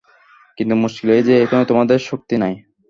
কিন্তু মুশকিল এই যে, এখনই তোমাদের সে শক্তি নাই।